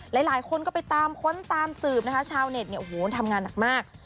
หลายคนก็ไปตามค้นตามสืบชาวเน็ตทำงานหนักมาก